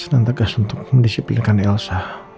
dan tegas untuk mendisiplinkan elsa